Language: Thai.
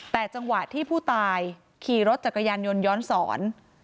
แต่จังหวะที่ผู้ตายขี่รถจักรยานยนต์ย้อนสอน